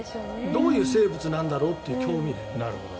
どういう生物なんだろうっていう興味だよね。